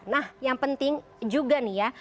nah yang penting juga nih ya